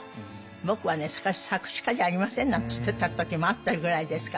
「僕は作詞家じゃありません」なんて言ってた時もあったぐらいですからね。